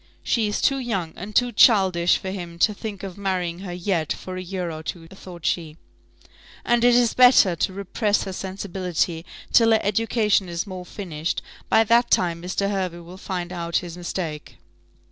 "She is too young and too childish for him to think of marrying her yet, for a year or two," thought she; "and it is better to repress her sensibility till her education is more finished; by that time Mr. Hervey will find out his mistake."